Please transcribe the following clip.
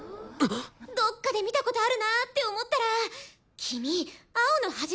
どっかで見たことあるなって思ったら君青野ハジメくんだよね！